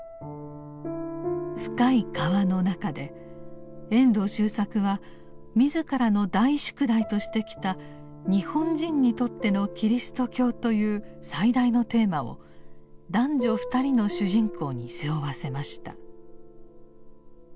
「深い河」の中で遠藤周作は自らの「大宿題」としてきた「日本人にとってのキリスト教」という最大のテーマを男女二人の主人公に背負わせました。